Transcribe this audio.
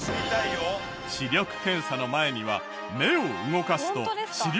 視力検査の前には目を動かすと視力が上がる！？